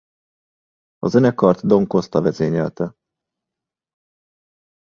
A zenekart Don Costa vezényelte.